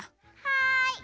はい。